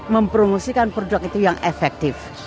mempromosikan produk itu yang efektif